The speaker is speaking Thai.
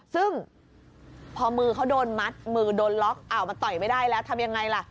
ซึ่งพอมือเขาโดนมัดมือโดนล็อกอ้าวมันต่อยไม่ได้แล้วทำยังไงล่ะ